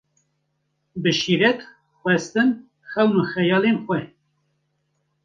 Bi şîret, xwestin, xewn û xeyalên xwe